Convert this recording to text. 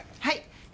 はい。